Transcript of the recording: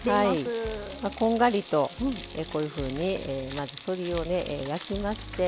こんがりと、こういうふうにまず鶏を焼きまして。